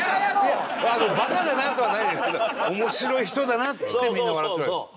いやバカだなとはないですけど面白い人だなっつってみんな笑ってる。